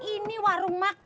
ini warung makanan